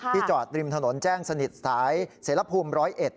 จอดริมถนนแจ้งสนิทสายเสรภูมิ๑๐๑